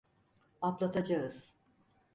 Atlatacağız.